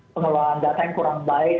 pengelolaan data yang kurang baik